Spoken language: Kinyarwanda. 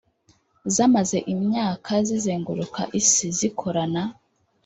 zamaze imyaka zizenguruka isi, zikorana